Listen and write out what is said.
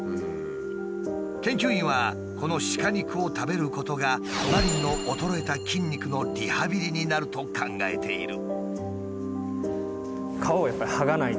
研究員はこの鹿肉を食べることがマリンの衰えた筋肉のリハビリになると考えている。